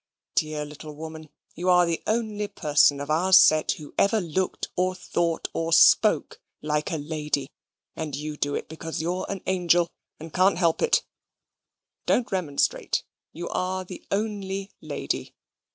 Dear little woman, you are the only person of our set who ever looked, or thought, or spoke like a lady: and you do it because you're an angel and can't help it. Don't remonstrate. You are the only lady.